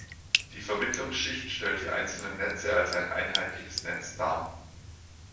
Die Vermittlungsschicht stellt die einzelnen Netze als ein einheitliches Netz dar.